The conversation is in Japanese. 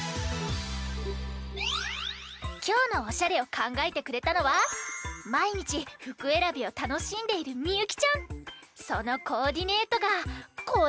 きょうのおしゃれをかんがえてくれたのはまいにちふくえらびをたのしんでいるそのコーディネートがこちら！